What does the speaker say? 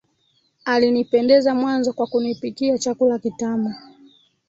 Alinipendeza mwanzo kwa kunipikia chakula kitamu